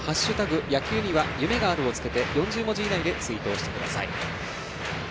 野球には夢がある」をつけて４０文字以内でツイートをしてください。